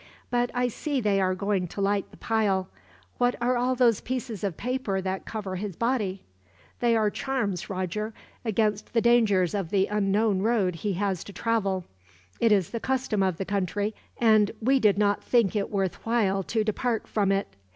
"But I see they are going to light the pile. What are all those pieces of paper that cover his body?" "They are charms, Roger, against the dangers of the unknown road he has to travel. It is the custom of the country, and we did not think it worth while to depart from it.